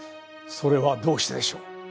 それはどうしてでしょう？